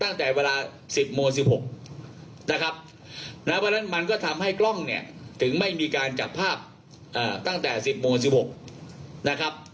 ตั้งแต่เวลา๑๐โหมด๑๖มันก็ทำให้กล้องตื้อไม่มีการจับภาพตั้งแต่๑๐โหมด๑๖